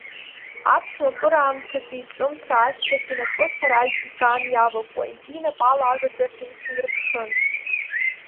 Аԥшәма краамҭатәи иҿымҭра ашьҭахь, инапы-хьараџь иган иавакуа, егьи инапала агаҿахь инхьеирԥшын…